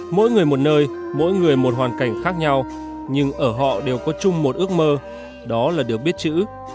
mỗi người một nơi mỗi người một hoàn cảnh khác nhau nhưng ở họ đều có chung một ước mơ đó là được biết chữ